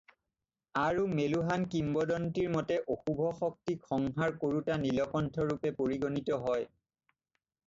আৰু মেলুহান কিংবদন্তিৰ মতে অশুভ শক্তিক সংহাৰ কৰোঁতা নীলকণ্ঠৰূপে পৰিগণিত হয়।